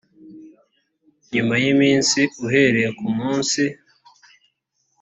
nyuma y iminsi uhereye ku munsi